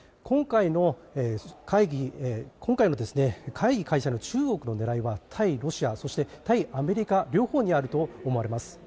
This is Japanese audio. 今回の会議開催の中国の狙いは対ロシア、そして対アメリカ両方にあると思われます。